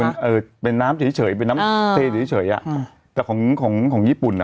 เป็นเอ่อเป็นน้ำเฉยเฉยเป็นน้ำเทเฉยเฉยอ่ะแต่ของของญี่ปุ่นอ่ะ